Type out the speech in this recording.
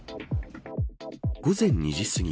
午前２時すぎ。